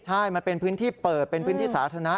ใช่มันเป็นพื้นที่เปิดเป็นพื้นที่สาธารณะ